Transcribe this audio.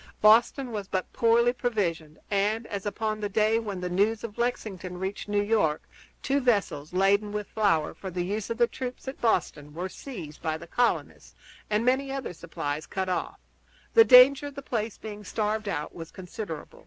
Boston was but poorly provisioned, and, as upon the day when the news of Lexington reached New York two vessels laden with flour for the use of the troops at Boston were seized by the colonists and many other supplies cut off, the danger of the place being starved out was considerable.